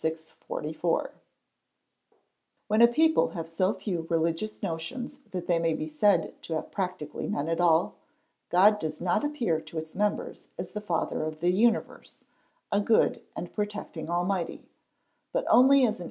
| a When a people have so few religious notions that they may be said f have practically none at all, God does not appear to its members as tl Father of the Universe, a good and protecting Almighty, but only as ai INSTRUMENTS USED FOR THEFT, ETC.